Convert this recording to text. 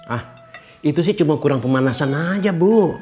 ah itu sih cuma kurang pemanasan aja bu